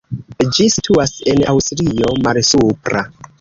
Ĝi situas en Aŭstrio Malsupra.